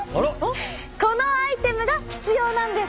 このアイテムが必要なんです！